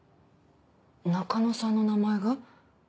中野さんの名前が？